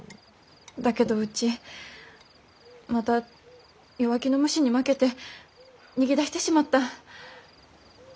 だけどうちまた弱気の虫に負けて逃げ出してしまった。